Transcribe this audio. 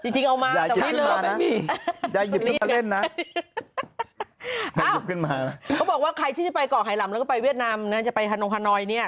เขาบอกว่าใครที่จะไปเกาะไหล่มแล้วก็ไปเวียดนามนะจะไปฮาโนโฮนอยด์เนี่ย